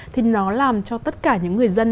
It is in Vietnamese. thì nó làm cho tất cả những người dân